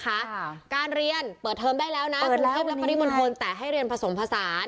ค่ะการเรียนเปิดเทิมได้แล้วนะเปิดแล้วแล้วปริมนธนแต่ให้เรียนผสมผสาน